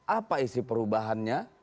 apa isi perubahannya